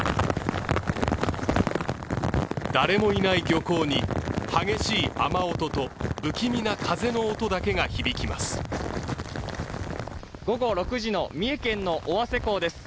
誰もいない漁港に激しい雨音と不気味な風の音だけが響きます。